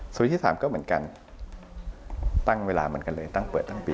ส่วนที่๓ก็เหมือนกันตั้งเวลาเหมือนกันเลยตั้งเปิดตั้งปี